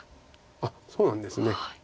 あっそうなんですね。